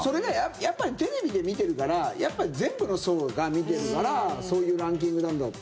やっぱりテレビで見てるから全部の層が見てるからそういうランキングなんだと。